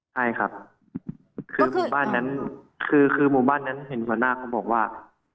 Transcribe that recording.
ใช่ครับคือหมู่บ้านนั้นเห็นหัวหน้าเขาบอกว่า